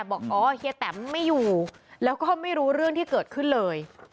บอกอ๋อเฮียแตมไม่อยู่แล้วก็ไม่รู้เรื่องที่เกิดขึ้นเลย